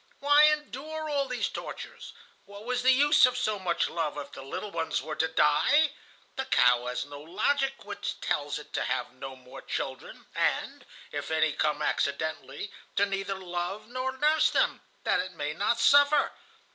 Why endure all these tortures? What was the use of so much love, if the little ones were to die? The cow has no logic which tells it to have no more children, and, if any come accidentally, to neither love nor nurse them, that it may not suffer.